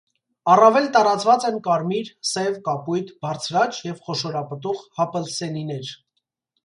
Առավել տարածված են կարմիր, սև, կապույտ, բարձրաճ և խոշորապտուղ հապլսենիներ։